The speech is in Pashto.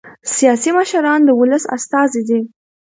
سیاسي مشران د ولس استازي دي